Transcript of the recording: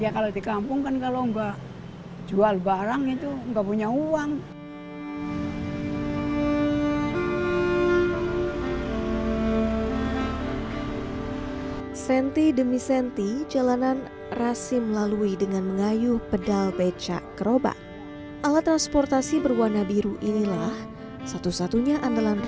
kalau di kampung kan kalau nggak jual barang itu nggak punya uang